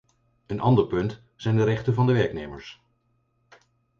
Een ander punt zijn de rechten van de werknemers.